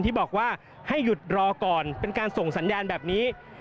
ที่บอกว่าให้หยุดรอก่อนเป็นการส่งสัญญาณแบบนี้